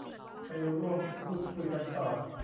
ไปร่วมพูดคุยกันต่อ